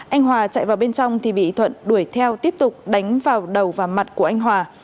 anh hòa chạy vào bên trong thì bị thuận đuổi theo tiếp tục đánh vào đầu và mặt của anh hòa